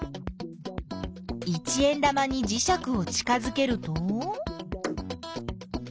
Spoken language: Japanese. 一円玉にじしゃくを近づけると？